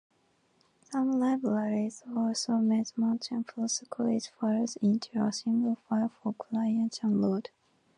Some libraries also merge multiple script files into a single file for client download.